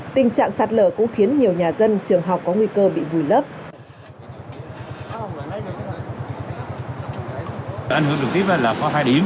tình trạng sạt lở cũng khiến nhiều nhà dân trường học có nguy cơ bị vùi lấp